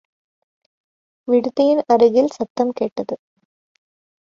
விடுதியின் அருகில் சத்த்ம் கேட்டது.